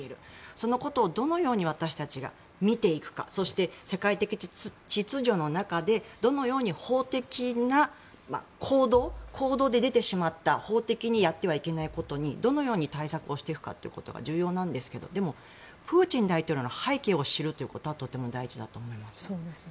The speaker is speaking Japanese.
そのことをどのように私たちが見ていくかそして、世界的秩序の中でどのように法的な行動で出てしまった法的にやってはいけないことｈにどのように対策していくかが重要なんですがでも、プーチン大統領の背景を知るということはとても大事だと思います。